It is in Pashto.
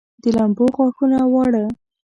د لمبو غاښونه واړه